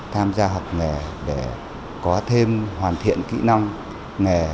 tham gia học nghề để có thêm hoàn thiện kỹ năng nghề